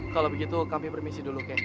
kalau begitu kami permisi dulu